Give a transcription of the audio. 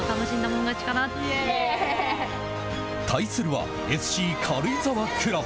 対するはＳＣ軽井沢クラブ。